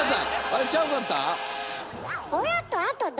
あれちゃうかった？